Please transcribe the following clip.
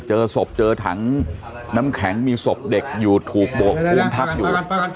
เจอศพเจอถังน้ำแข็งมีศพเด็กอยู่ถูกโบกภูมิทับอยู่